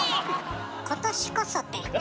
「今年こそ」て。